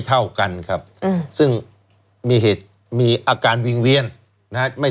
เท่ากันครับซึ่งมีเหตุมีอาการวิงเวียนนะครับไม่